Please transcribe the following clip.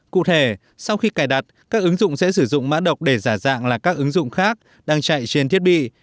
cụ thể sau khi cài đặt các ứng dụng sẽ sử dụng mã độc để giả dạng là các ứng dụng khác đang chạy trên thiết bị